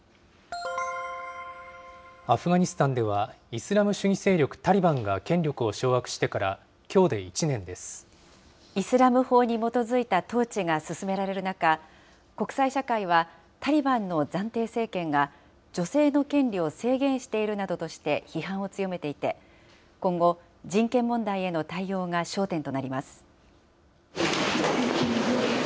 アフガニスタンでは、イスラム主義勢力タリバンが権力を掌握してから、きょうで１年でイスラム法に基づいた統治が進められる中、国際社会は、タリバンの暫定政権が女性の権利を制限しているなどとして、批判を強めていて、今後、人権問題への対応が焦点となります。